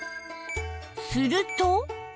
すると